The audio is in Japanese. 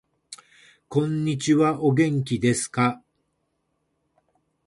こんにちはお元気ですか